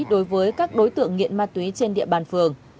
đối với các đối tượng nghiện ma túy trên địa bàn phường